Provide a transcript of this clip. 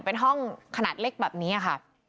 เป็นห้องขนาดเล็กแบบนี้ค่ะ